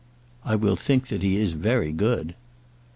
"I will think that he is very good."